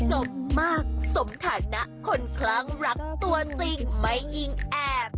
สมมากสมฐานะคนคลั่งรักตัวจริงไม่อิงแอบ